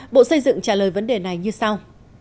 bộ xây dựng trả lời vấn đề này như sau